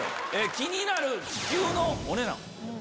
気になる気球旅のお値段。